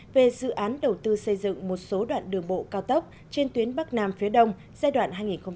về dự án đầu tư xây dựng một số đoạn đường bộ cao tốc trên tuyến bắc nam phía đông giai đoạn hai nghìn một mươi chín hai nghìn hai mươi